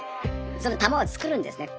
その玉を作るんですね。